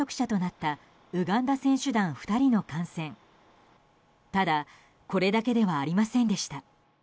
ただ、これだけではありませんでした。